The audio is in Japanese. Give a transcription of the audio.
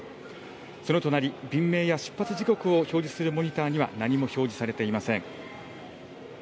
その隣、便名や出発時刻を表示するモニターには何も表示されていません。